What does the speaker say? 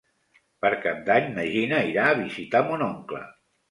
Per Cap d'Any na Gina irà a visitar mon oncle.